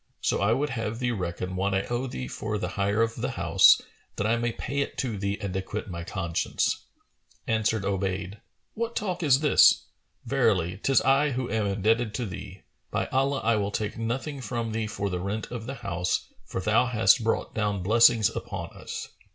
So I would have thee reckon what I owe thee for the hire of the house, that I may pay it to thee and acquit my conscience." Answered Obayd, "What talk is this? Verily, 'tis I who am indebted to thee. By Allah, I will take nothing from thee for the rent of the house, for thou hast brought down blessings upon us!